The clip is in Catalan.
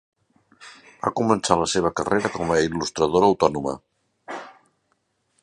Va començar la seva carrera com a il·lustradora autònoma.